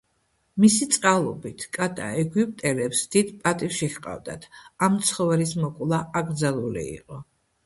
მისი წყალობით, კატა ეგვიპტელებს დიდ პატივში ჰყავდათ, ამ ცხოველის მოკვლა აკრძალული იყო.